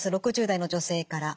６０代の女性から。